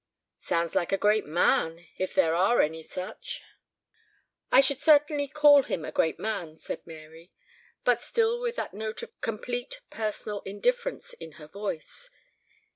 "Sounds like a great man if there are any such." "I should certainly call him a great man," said Mary, but still with that note of complete personal indifference in her voice.